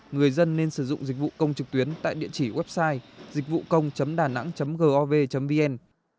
người dân nên sử dụng dịch vụ công trực tuyến tại địa chỉ website dịchvucông danang gov vn